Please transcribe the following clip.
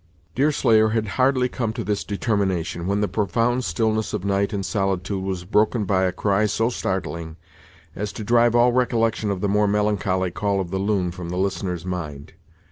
Deerslayer had hardly come to this determination, when the profound stillness of night and solitude was broken by a cry so startling, as to drive all recollection of the more melancholy call of the loon from the listener's mind.